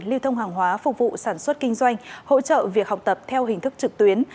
lưu thông hàng hóa phục vụ sản xuất kinh doanh hỗ trợ việc học tập theo hình thức trực tuyến